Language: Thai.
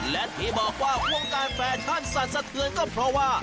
และที่บอกว่าวงการแฟชั่นสั่นสะเทือนก็เพราะว่า